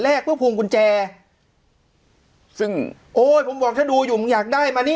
เพื่อพวงกุญแจซึ่งโอ้ยผมบอกถ้าดูอยู่มึงอยากได้มานี่